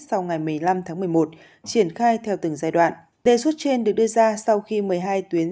sau ngày một mươi năm tháng một mươi một triển khai theo từng giai đoạn đề xuất trên được đưa ra sau khi một mươi hai tuyến